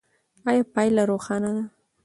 ایا پایله روښانه ده؟